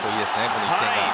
この１点が。